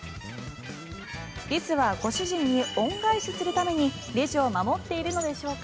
リスはご主人に恩返しするためにレジを守っているのでしょうか？